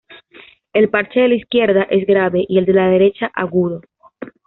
El parche de la izquierda es grave y el de la derecha agudo.